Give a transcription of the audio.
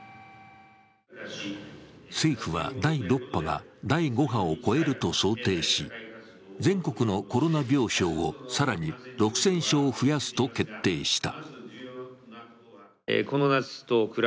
政府は第６波が第５波を超えると想定し、全国のコロナ病床を更に６０００床増やすと決定した。